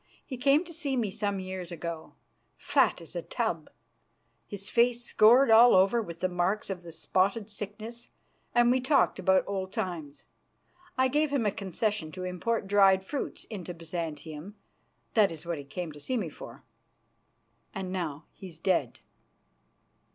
He came to see me some years ago, fat as a tub, his face scored all over with the marks of the spotted sickness, and we talked about old times. I gave him a concession to import dried fruits into Byzantium that is what he came to see me for and now he's dead.